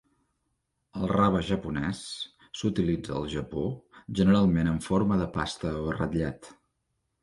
El rave japonés s'utilitza al Japó generalment en forma de pasta o ratllat.